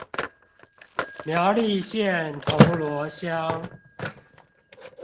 苗栗縣銅鑼鄉